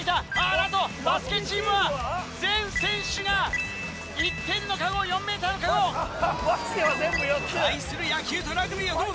なんとバスケチームは全選手が１点のカゴ４ｍのカゴ！対する野球とラグビーはどうだ？